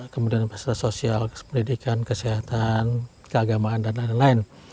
kemudian fasilitas sosial pendidikan kesehatan keagamaan dan lain lain